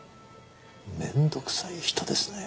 めんどくさい人ですね。